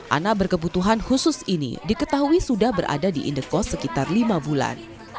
anak berkebutuhan khusus ini diketahui sudah berada di indekos sekitar lima bulan